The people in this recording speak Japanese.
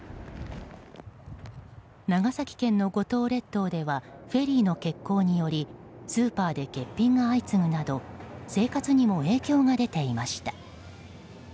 長崎県の五島列島ではフェリーの欠航によりスーパーで欠品が相次ぐなど生活にも影響が出ていました。